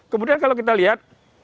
kemudian kalau kita lihat